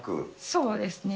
そうですね。